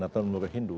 atau menurut hindu